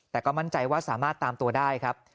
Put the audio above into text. แต่ก็มั่นใจว่าสามารถตามตัวได้ครับ